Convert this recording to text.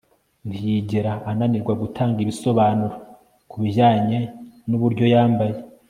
ntiyigera ananirwa gutanga ibisobanuro kubijyanye nuburyo yambaye